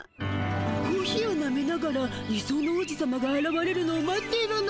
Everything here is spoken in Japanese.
コーヒーをなめながら理想の王子さまがあらわれるのを待っているの。